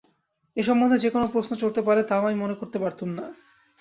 এ সম্বন্ধে যে কোনো প্রশ্ন চলতে পারে তাও আমি মনে করতে পারতুম না।